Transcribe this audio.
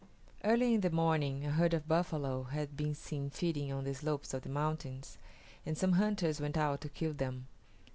Early in the morning a herd of buffalo had been seen feeding on the slopes of the mountains, and some hunters went out to kill them.